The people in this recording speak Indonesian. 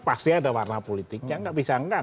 pasti ada warna politik ya enggak bisa enggak